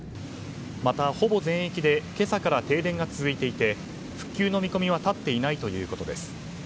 またほぼ全域で今朝から停電が続いていて復旧の見込みは立っていないということです。